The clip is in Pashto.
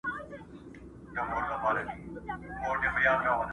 • هم لوېدلی یې له پامه د خپلوانو.